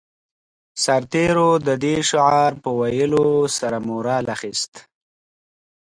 سرتېرو د دې شعار په ويلو سره مورال اخیست